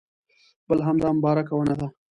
بل همدا مبارکه ونه ده.